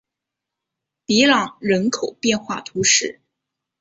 比朗人口变化图示